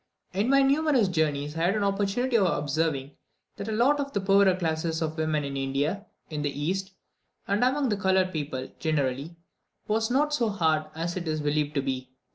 In my numerous journeys, I had an opportunity of observing that the lot of the poorer classes of women in India, in the East, and among coloured people generally, was not so hard as it is believed to be.